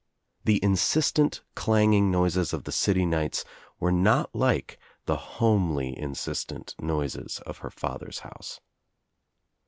The insistent clanging noises of the city nights were not like the homely Insistent noises of her father's house.